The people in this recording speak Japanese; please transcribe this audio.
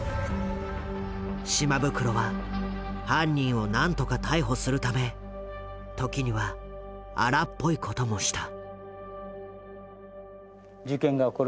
島袋は犯人をなんとか逮捕するため時には荒っぽいこともした。